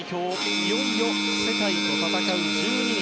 いよいよ世界と戦う１２人。